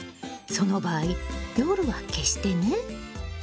その場合夜は消してね。